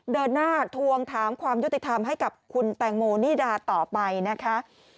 เดินหน้าทวงถามความยุติธรรมให้กับคุณแตงโมนิดาต่อไปนะคะ